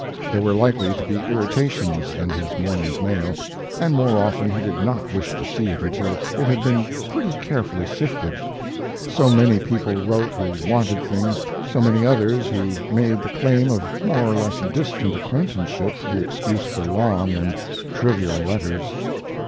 There were likely to be irritations in his morning's mail, and more often he did not wish to see it until it had been pretty carefully sifted. So many people wrote who wanted things, so many others who made the claim of more or less distant acquaintanceship the excuse for long and trivial letters.